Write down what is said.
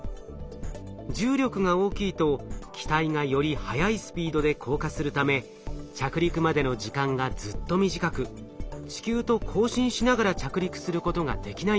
重力が大きいと機体がより速いスピードで降下するため着陸までの時間がずっと短く地球と交信しながら着陸することができないんです。